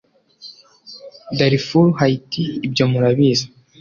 darifuru hayiti ibyo murabizi